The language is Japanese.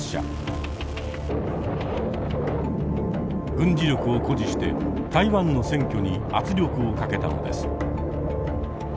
軍事力を誇示して台湾の選挙に圧力をかけたのです。